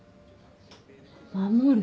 守る。